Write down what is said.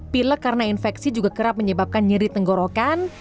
pilek karena infeksi juga kerap menyebabkan nyeri tenggorokan